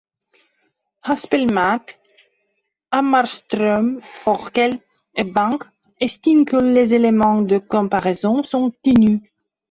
Haspelmath, Hammarström, Forkel et Bank estiment que les éléments de comparaison sont ténus.